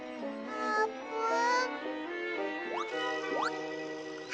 あーぷん。